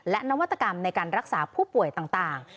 และนวัตกรรมในการรักษาผู้ป่วยต่าง